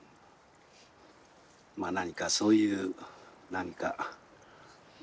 まあ何かそういうなんか。